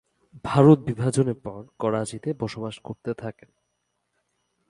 ভারত বিভাজনের পর করাচিতে বসবাস করতে থাকেন।